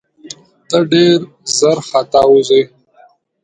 ته ډېر ژر ختاوزې !